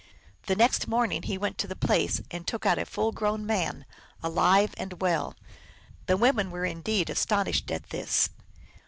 The next morning he went to the place, and took out a full grown man, alive and well. The women were indeed astonished at this.